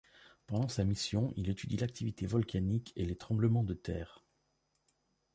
Pendant sa mission, il étudie l'activité volcanique et les tremblements de terre.